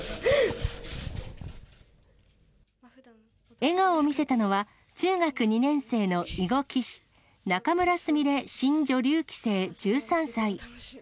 笑顔を見せたのは、中学２年生の囲碁棋士、仲邑菫新女流棋聖１３歳。